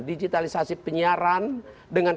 digitalisasi penyiaran dengan